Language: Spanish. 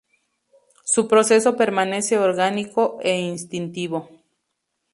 Su proceso permanece orgánico e instintivo.